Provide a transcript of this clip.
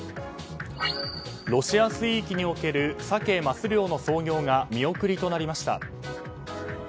ロシア水域におけるサケ・マス漁の操業が見送りとなりました。